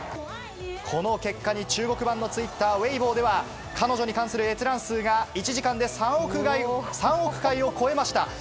この結果に中国版のツイッター、ウェイボーでは、彼女に関する閲覧数が１時間で３億回を超えました。